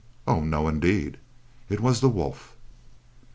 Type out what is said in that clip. Oh, no, indeed! It was the wolf.